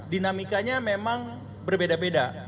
dinamikanya memang berbeda beda